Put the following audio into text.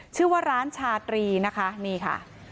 ชื่อว่าร้านชาตรีนะคะนี่ค่ะ